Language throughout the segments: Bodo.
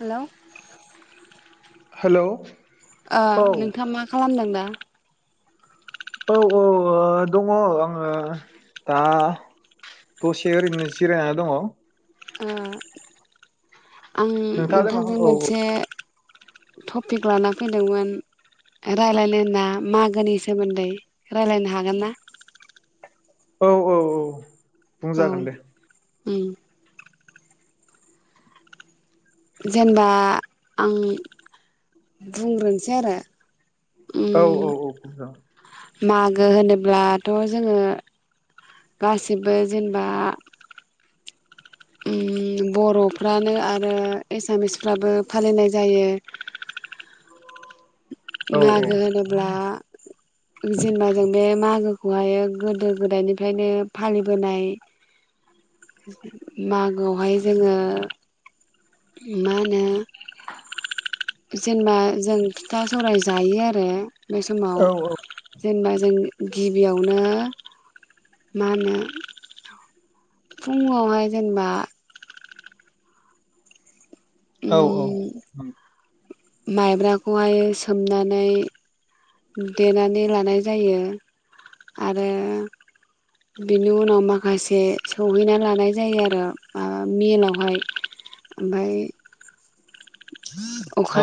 हेलौ हेलौ ओ औ नोंथाङा मा खालामदों दा? औ औ दङ आङो दा दसे ओरैनो जिरायनानै दङ। ओ आं नोंथाङालाय मा नोंथांजों खालामदों? औ मोनसे टपिक लाना फैदोंमोन रायलायनो ना मागोनि सोमोन्दै रायलायनो हागोन ना? औ औ औ औ बुंजागोन दे। उम जेनेबा आं बुंग्रोनोसै आरो उम औ औ औ बुंजागोन मागो होनोब्लाथ' जोङो गासिबो जेनेबा, ओम बर'फ्रानो आरो एसामिसफ्राबो फालिनाय जायो, औ मागो होनोब्ला जेनेबा जों बे मागो खौहाय गोदो गोदायनिफ्रायनो फालिबोनाय मागोआवहाय जोङो मा होनो जेनेबा जों फिथा सौराय जायो आरो। बे समाव। औ जेनेबा जों गिबियावनो मा होनो फुङावहाय जेनेबा। औ औ। उम माइब्राखौहाय सोमनानै । देनानै लानाय जायो आरो बेनि उनाव माखासे सौहैनानै लानाय जायो आरो माबा मिलावहाय ओमफाय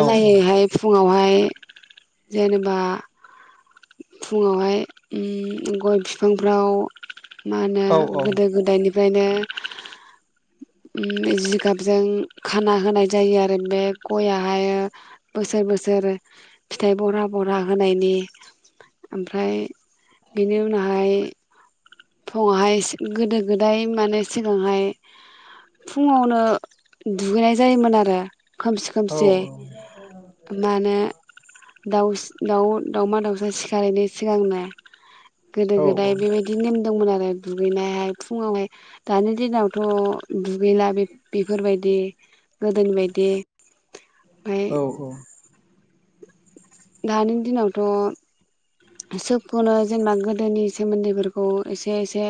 औ फुङावहाय। हे जेनेबा फुङावहाय उम गय बिफांफ्राव, मा होनो औ गोदो गोदाय नो ओ जिगाबजों खाना होनाय जायो आरो ओर बे गयाहाय बोसोर बोसोर फिथाइ बरा बरा होनायनि ओमफ्राय बेनि उनावहाय। फुङावहाय गोदो गोदाय माने सिगांहाय फुङावनो दुगैनाय जायोमोन आरो खोमसि खोमसियै मा होन दाउस दाउ दावमा दाउसा सिखारैनि सिगांनो गोदो औ औ गोदाय बेबायदिनो दंमोन आरो दुगैनायहाय फुङावहाय दानि दिनावथ' दुगैला बे बेफोरबायदि गोदोनि बायदि। ओमफ्राय औ औ दानि दिनावथ सोबखौनो जेनेबा गोदोनि सोमोन्दैफोरखौ एसे एसे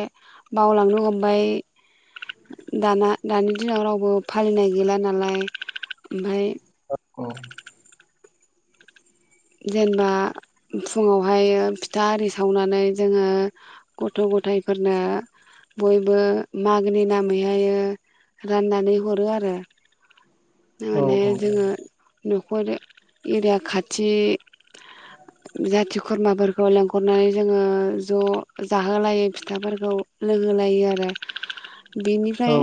बावलांनो हमबाय दाना दानि दिनाव रावबो फालिनाय गैला नालाय ओमफाय [unintelligible] जेनबा फुङावहायो फिथा आरि सावनानै जोङो गथ गथायफोरनो बयबो मागोनि नाम बेहाययो राननानै हरो आरो [unintelligible] जोङा नखरदो एरिया खाथि थि [unintelligible] खुरमाफोरखौ लेंहरनानै जोंङो ज जाहोलायो फिथाफोरखौ लोंहोलायो आरो बेनिफ्राय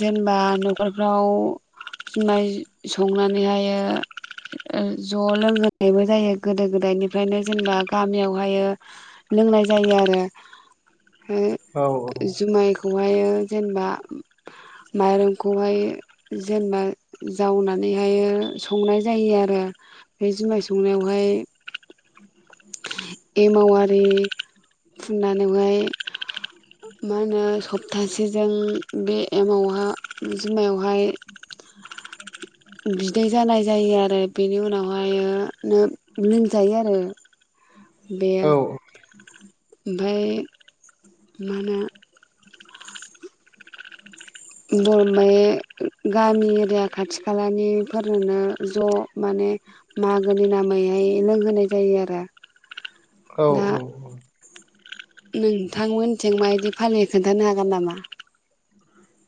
जेनबा न'खरफ्राव जुमाय संनानैहायो ओ ज लोंहोनायबो जायो गोदो गोदायनिफ्रायनो जेनबा गामियावहायो लोंनाय जायो आरो [unintelligible] जुमायखौ खौहायो जेनबा माइरंखौहाय जेनबा जावनानैहाय संनाय जायो आरो। अ बे जुमाय संनायावहाय एमावारि फुननानैहाय मा होनो [unintelligible] बे एमावहा जुमायावहाय बिदै जानाय जायो आरो बेनि उनावहायनो लोंजायो आरो बेयो ओमफाय माने [unintelligible] गामि एरिया खाथि खालानि फोरनोनो ज माने मागोनि नामैहाय लोंहोनाय जायो आरो । औ औ औ नोंथांमोनथिं माबायदि फालियो खोन्थानो हागोन नामा?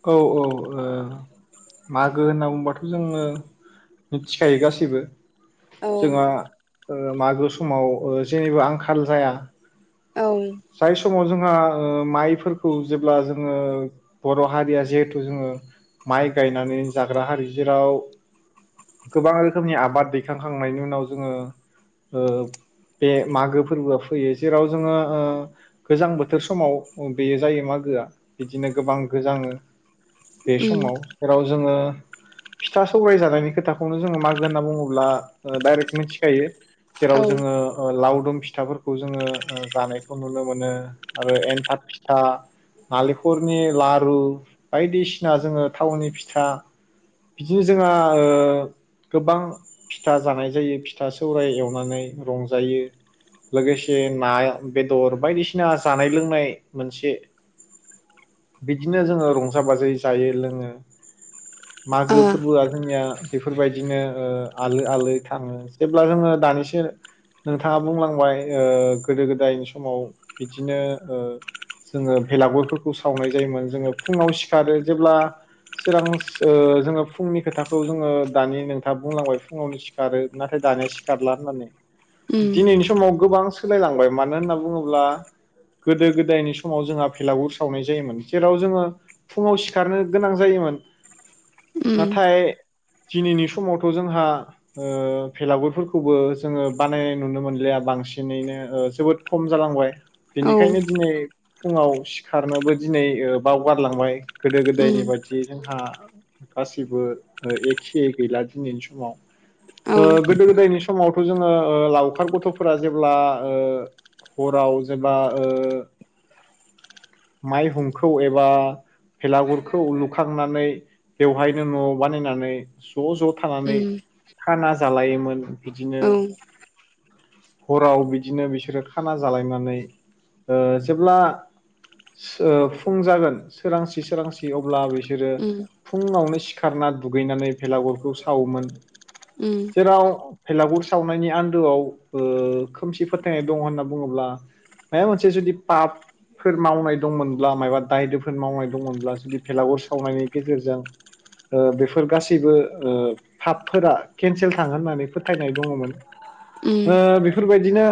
औ औ ओ मागो होनना बुंबाथ' जोङो मिथिखायो गासैबो। औ जोंहा ओ मागो समाव ओ जेनिबो आंखाल जाया। औ जाय समाव जों ओ माइफोरखौ जेब्ला जोङो बर हारिया जिहेथु जोङो माइ गायनानैनो जाग्रा हारि जेराव गोबां रोखोमनि आबाद दैखांखांनायनि उनाव जोङो ओ बे मागो फोरबोआ फैयो जेराव जोङो ओ गोजां बोथोर समाव बेयो जायो मागोआ बिदिनो गोबां गोजांङो बे उम समाव जेराव जोङो फिथा सौराय जानायनि खोथाखौनो जोङो मागो होनना बुङोब्ला ओ डाइरेक मिथिखायो औ जेराव जोङो ओ लाउ दुम फिथाफोरखौ जोङो ओ जानायखौ नुनो मोनो आरो एन्थाब फिथा नालेंखरनि लारु ओ बायदिसिना जोङो थावनि फिथा बिदिनो जोंहा ओ गोबां फिथा जानाय जायो फिथा सौराय एवनानै रंजायो लोगोसे ना बेदर बायदिसिना जानाय लोंनाय मोनसे बिदिनो जोंङो रंजा बाजायै जायो लोङो । ओ मागो फोर्बो आ जोंनिया बेफोरबायदिनो ओ आलो आलो थाङो जेब्ला जोङो दानिसो नोंथाङा बुंलांबाय ओ गोदो गोदायनि समाव बिदिनो ओ जोङो भेलागुरफोरखौ सावनाय जायोमोन जोङो फुङाव सिखारो जेब्ला सोरां ओ जोङो फुंनि खोथाखौ जोङो दानि नोंथाङा बुंलांबाय फुङावनो सिखारो नाथाय दानिया सिखारला होननानै उम दिनैनि समाव गोबां सोलायलांबाय मानो होनना बुङोब्ला गोदो गोदायनि समाव जोंहा भेलागुर सावनाय जायोमोन। जेराव जोङो फुङाव सिखारनो गोनां जायोमोन। उम नाथाय दिनैनि समावथ' जोंहा ओ भेलागुरफोरखौबो जोङो बानायनाय नुनो मोनलिया बांसिनैनो ओ जोबोद खम जालांबाय। औ बेनिखायनो दिनै फुंवाव सिखारनोबोदि दिनै बावगारलांबाय गोदो गोदायनि बायदि जोंहा गासिबो एखे गैला दिनैनि समाव ओ गोदो गोदायनि समावथ ओ जोङो लावखार गथ फोरा जेब्ला ओ हराव जेब्ला ओ माइ हुंखौ एबा भेलागुरखौ लुखांनानै बेवहायनो न' बानायनानै ज' ज' थानानै खाना जालायोमोन बिदिनो हराव बिदिनो बिसोरो खाना जालायनानै ओ जेब्ला ओ फुं जागोन सोरांसि सोरांसि अब्ला बिसोरो फुङावनो सिखारना दुगैनानै भेलागुरखौ सावोमोन जेराव भेलागुर सावनायनि आन्दोआव ओ खोमसि फोथायनाय दं होनना बुङोब्ला माबा मोनसे जुदि पापफोर मावनाय दंमोनब्ला मायबा दाय दोफोर मावनाय दंमोनब्ला जुदि भेलागुर सावनायनि गेजेरजों ओ बेफोर गासैबो ओ फाबफोरा केनसेल थाङो होननानै फोथायनाय दङमोन ओ बेफोरबायदिनो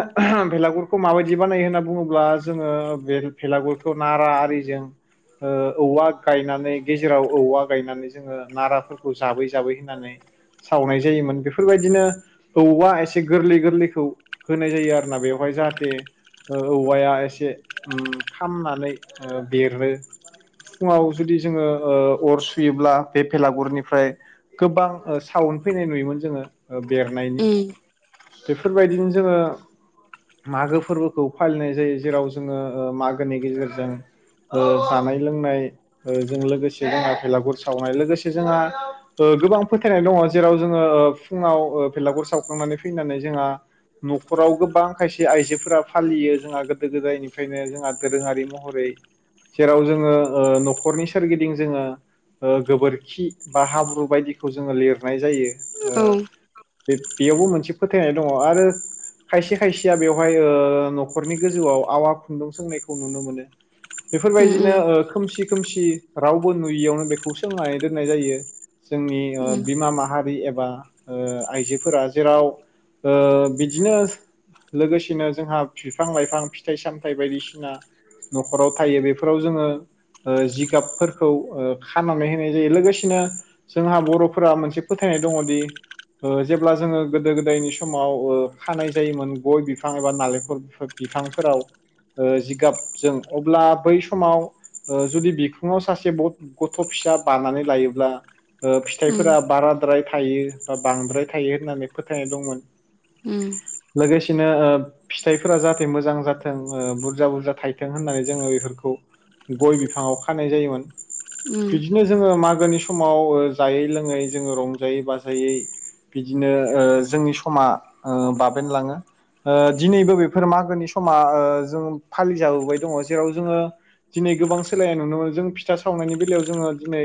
बेलागुरखौ माबायदि बानायो होनना बुङोब्ला जोङो बे भेलागुर नारा आरिजों ओ औवा गायनानै गेजेराव औवा गायनानै जोङो नाराफोरखौ जाबै जाबै होननानै सावनाय जायोमोन बेफोरबायदिनो औवा एसे गोरलै गोरलैखौ होनाय जायो आरो ना बेवहाय जाहाथे औवाया एसे उम खामनानै ओ बेरो फुङाव जुदि जोङो ओ अर सुयोब्ला बे भेलागुरनिफ्राय गोबां साउन फैनाय नुयोमोन जोङो ओ बेरनायनि बेफोरबायदिनो जोङो मागो फोरबोखौ फालिनाय जायो जेराव जोङो ओ माग नि गेजेरजों ओ जानाय लोंनाय जों लोगोसे जोंहा भेलागुर सावनाय लोगोसे जोंहा ओ गोबां फोथायनाय दङ जेराव जोङो ओ फुङाव भेलागुर सावखांनानै फैनानै जोंहा नखराव गोबां खायसे आइजोफोरा फालियो जोंहा गोदो गोदायनिफ्रायनो जोंहा दोरोङारि महरै जेराव जोङो ओ नख'रनि सोरगिदिं जोङो ओ गोबोरखि बा हाब्रु बायदिखौ जोङो लिरनाय जायो ओ बेयावबो मोनसे फोथायनाय दङ आरो खायसे खायसेया बेवहाय ओ नख'रनि गोजौआव आवा खुन्दुं सोंनाय खौ नुनो मोनो बेफोरबायदिनो ओ खोमसि खोमसि रावबो नुयियावनो बेखौ सोंनानै दोननाय जायो जोंनि ओ बिमा माहारि एबा ओ आइजोफोरा जेराव ओ बिदिनो लोगोसेनो जोंहा बिफां लाइफां फिथाइ सामथाइ बायदिसिना न खराव थायो बेफोराव जोङो ओ जिगाबफोरखौ ओ खानानै होनाय जायो लोगोसेनो जोंहा बर फोरा मोनसे फोथायनाय दङ दि ओ जेब्ला जोङो गोदो गोदायनि समाव ओ खानाय जायोमोन गय बिफां एबा नारेंखल बिफांफोराव ओ जि जिगाब जों अब्ला बै समाव ओ जुदि बिखुङाव सासे बथ गथ फिसा बानानै लायोब्ला । ओ फिथाइफोरा बारा [unintelligible] बांद्राय थायो होननानै फोथायनाय दंमोन लोगोसेनो ओ फिथाइफोरा जाहाथे मोजां जाथों ओ बुरजा बुरजा थायथों होननानै जोङो बेफोरखौ गय बिफाङाव खानाय जायोमोन बिदिनो जोङो मागोनि समाव ओ जायै लोङै जोङो रंजायै बाजायै बिदिनो ओ जोंनि समा ओ बाबेनलाङो ओ दिनैबो बेफोर मागोनि समा ओ जों फालिजाबोबाय दङ जेराव जोङो दिनै गोबां सोलायनाय नुनो मोनो जों फिथा सावनायनि बेलायाव जोङो दिनै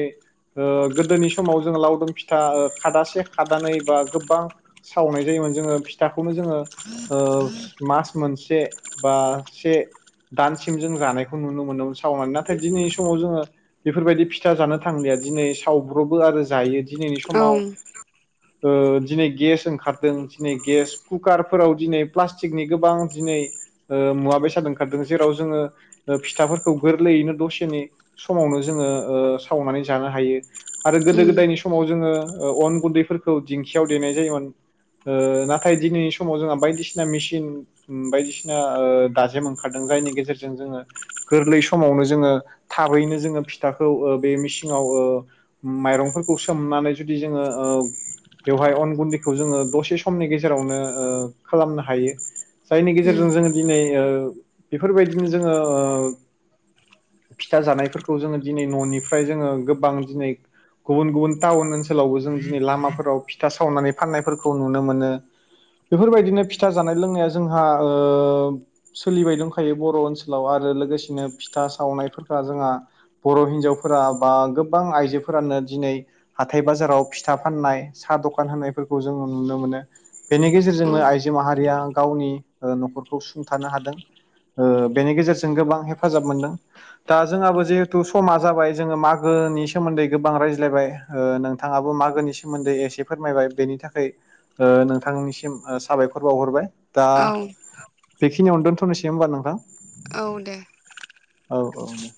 ओ गोदोनि समाव जोङो लावदुम फिथा ओ खादासे खादानै बा गोबां सावनाय जायोमोन जोङो फिथाखौनो जोङो ओ मास मोनसे बा से दानसिम जों जानायखौ नुनो मोनोमोन सावनानै नाथाय दिनैनि समाव जोङो बेफोरबायदि फिथा जानो थांलिया दिनै सावब्रबो आरो जायो। दिनैनि समाव ओ दिनै गेस ओंखारदों दिनै गेस कुकारफोराव दिनै प्लास्टिकनि गोबां दिनै ओ मुवा बेसाद ओखार ओंखारदों जेराव जोङो ओ फिथाफोरखौ गोरलैयैनो दसेनि समावनो जोङो ओ सावनानै जानो हायो। आरो गोदो गोदायनि समाव जोङो । ओ अन गुन्दैफोरखौ दिंखियाव देनाय जायोमोन ओ नाथाय दिनैनि समाव जोंहा बायदिसिना मेसिन बायदिसिना ओ दाजेम ओंखारदों जायनि गेजेरजों जोङो गोरलै समावनो जोङो थाबैनो जोङो फिथाखौ ओ बे मिसिङाव ओ माइरंफोरखौ सोमनानै जुदि ओ जोङो बेवहाय अन गुन्दैखौ जोङो दसे समनि गेजेरावनो ओ खालामनो हायो। जायनि गेजेरजों जोङो दिनै [unintelligible] बेफोरबायदिनो जोङो ओ फिथा जानायफोरखौ जोङो दिनै न निफ्राय जोङो गोबां दिनै गुबुन गुबुन टाउन ओनसोलावबो जों दिनै लामाफोराव फिथा सावनानै फाननायफोरखौ नुनो मोनो बेफोरबायदिनो फिथा जानाय लोंनाया जोंहा ओ सोलिबाय दं। खायो बर' ओनसोलाव आरो लोगोसेनो फिथा सावनायफोरा जोंहा बर' हिनजावफोरा बा गोबां आइजोफोरानो दिनै हाथाय बाजाराव फिथा फाननाय साह दखान होनायफोरखौ जोंङो नुनो मोनो बेनि गेजेरजोंनो आइजो माहारिया गावनि ओ नख'रखौ सुंथानो हादों। ओ बेनि गेजेरजों गोबां हेफाजाब मोनदों दा जोंहाबो जिहेथु समा जाबाय जोङो मागोनि सोमोन्दै गोबां रायज्लायबाय ओ नोंथाङाबो मागोनि सोमोन्दै एसे फोरमायबाय बेनि थाखाय ओ नोंथांनिसिम ओ साबायखर बावहरबाय । दा बेखिनायावनो दोनथ नोसै होमबा हा औ दे औ औ दे।